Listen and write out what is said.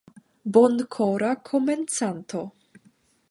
Bonkora Komencanto.